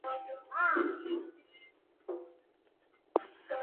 a hivi kunatamko kutoka kwa